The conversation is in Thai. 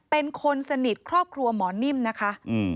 เป็นคนสนิทครอบครัวหมอนิ่มนะคะ